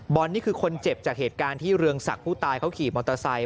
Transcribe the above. นี่คือคนเจ็บจากเหตุการณ์ที่เรืองศักดิ์ผู้ตายเขาขี่มอเตอร์ไซค